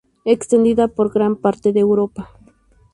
Extendida por gran parte de Europa.